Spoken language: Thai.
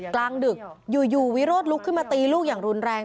กลางดึกอยู่วิโรธลุกขึ้นมาตีลูกอย่างรุนแรง